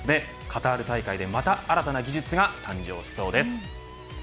カタール大会でまた新たな技術が誕生しそうです。